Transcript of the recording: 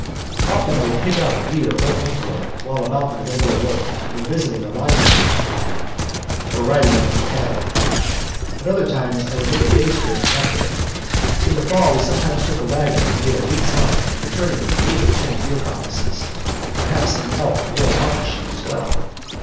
Often I would pick up a deer or antelope while about my regular work, when visiting a line camp or riding after the cattle. At other times I would make a day's trip after them. In the fall we sometimes took a wagon and made a week's hunt, returning with eight or ten deer carcasses, and perhaps an elk or a mountain sheep as well.